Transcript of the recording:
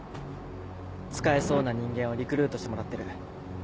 使えそうな人間をリクルートしてもらってる。